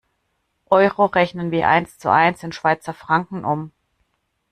Euro rechnen wir eins zu eins in Schweizer Franken um.